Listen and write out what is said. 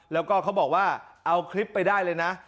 แล้วก็เขาบอกว่าเอาคลิปไปได้เลยนะ